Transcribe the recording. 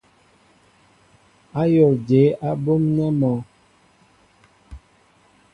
Ayól jeé á ɓɔmnέ mɔ ?